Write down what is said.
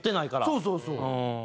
そうそうそう。